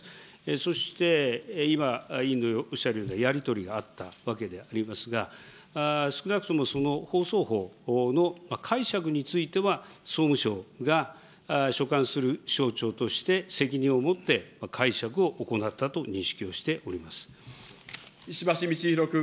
そして今、委員のおっしゃるようなやり取りがあったわけでありますが、少なくともその放送法の解釈については、総務省が所管する省庁として責任を持って解釈を行ったと認識をし石橋通宏君。